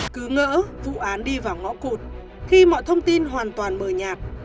cứ ngỡ vụ án đi vào ngõ cụt khi mọi thông tin hoàn toàn mờ nhạt